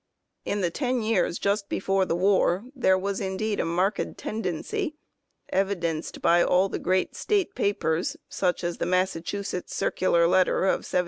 In the ten years just before the war there was indeed a marked tendency, evidenced by all the great State Papers, such as the Massachusetts Circular Letter of 1 Op.